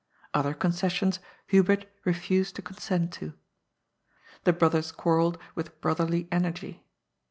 Other concessions Hu bert refused to consent to. The brothers quarrelled with brotherly energy.